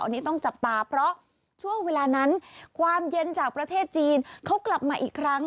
อันนี้ต้องจับตาเพราะช่วงเวลานั้นความเย็นจากประเทศจีนเขากลับมาอีกครั้ง